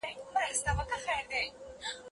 دا خاکې وريځه به د ځمکې سور مخ بيا وپوښي